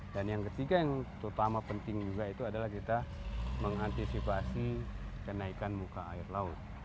dan yang ketiga yang terutama penting juga itu adalah kita mengantisipasi kenaikan muka air laut